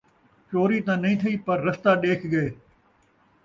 چوری تاں نئیں تھئی پر رستہ ݙیکھ ڳئے